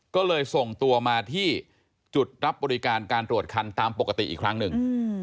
ก็เลยส่งตัวมาที่จุดรับบริการการตรวจคันตามปกติอีกครั้งหนึ่ง